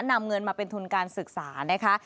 นำเงินมาเป็นทุนการศึกษานะคะ